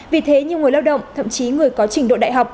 vì thế nhiều người lao động thậm chí người có trình độ đại học